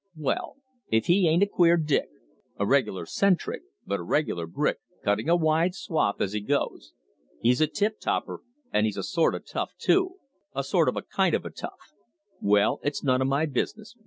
"Well, if he ain't a queer dick! A reg'lar 'centric but a reg'lar brick, cutting a wide swathe as he goes. He's a tip topper; and he's a sort of tough too a sort of a kind of a tough. Well, it's none of my business.